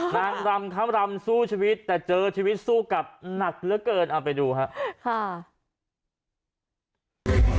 นางรำคำรำสู้ชีวิตแต่เจอชีวิตสู้กับหนักเหลือเกินเอาไปดูครับ